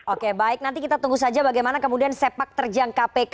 oke baik nanti kita tunggu saja bagaimana kemudian sepak terjang kpk